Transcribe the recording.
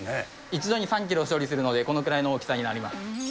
一度に３キロ処理するので、このくらいの大きさになります。